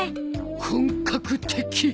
本格的。